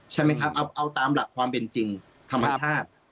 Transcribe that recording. ใช่ไหมครับเอาตามหลักความเป็นจริงธรรมชาติ